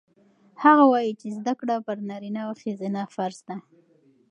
هغه وایي چې زده کړه پر نارینه او ښځینه فرض ده.